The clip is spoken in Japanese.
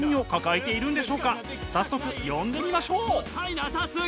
早速呼んでみましょう！